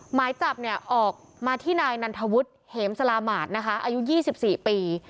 หมายจับเนี่ยออกมาที่นายนันทวุฒิเหมสลาหมาดนะคะอายุ๒๔ปี